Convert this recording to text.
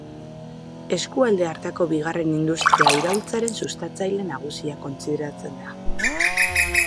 Eskualde hartako bigarren industria iraultzaren sustatzaile nagusia kontsideratzen da.